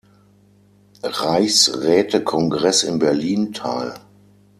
Reichsrätekongress in Berlin teil.